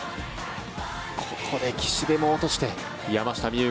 ここで岸部も落として山下美夢